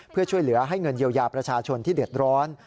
เพื่อช่วยเหลือให้เงินเยียวยาประชาชนที่เดือดร้อน